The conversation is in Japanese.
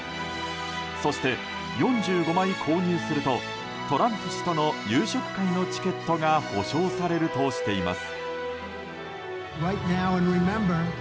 そして、４５枚購入するとトランプ氏との夕食会のチケットが保証されるとしています。